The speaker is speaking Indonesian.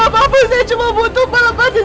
apa apa saya cuma butuh pelepasan